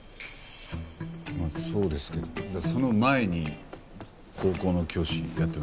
まあそうですけどその前に高校の教師やってました。